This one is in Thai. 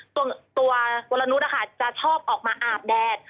ตัววรนุษย์จะชอบออกมาอาบแดด